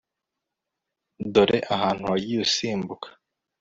Dore ahantu wagiye usimbuka